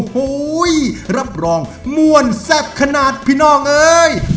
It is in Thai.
โอ้โหรับรองม่วนแซ่บขนาดพี่น้องเอ้ย